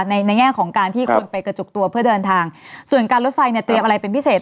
ในในแง่ของการที่คนไปกระจุกตัวเพื่อเดินทางส่วนการรถไฟเนี่ยเตรียมอะไรเป็นพิเศษ